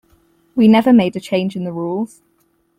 We never made a change in the rules.